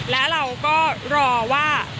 และเราก็รอว่า